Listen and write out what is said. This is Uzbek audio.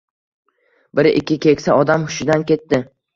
Bir -ikki keksa odam hushidan ketdi